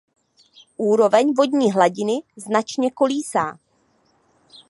Úroveň vodní hladiny značně kolísá.